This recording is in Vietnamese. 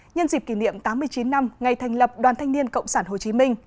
nhân dịp kỷ niệm tám mươi chín năm ngày thành lập đoàn thanh niên cộng sản hồ chí minh